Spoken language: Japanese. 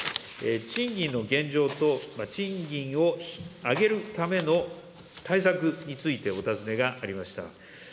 賃金の現状と賃金を上げるための対策についてお尋ねがありました。